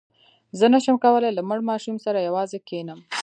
زه نه شم کولای له مړ ماشوم سره یوازې کښېنم.